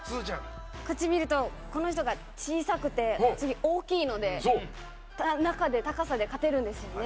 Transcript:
広瀬：こっち見るとこの人が小さくて次、大きいので中で、高さで勝てるんですよね。